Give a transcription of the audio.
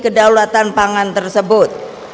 kedaulatan pangan tersebut